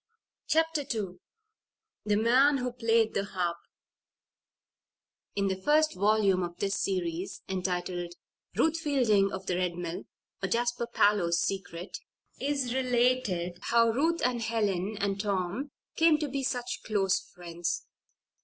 CHAPTER II THE MAN WHO PLAYED THE HARP In the first volume of this series, entitled, "Ruth Fielding of the Red Mill; Or, Jasper Parloe's Secret," is related how Ruth and Helen and Tom came to be such close friends.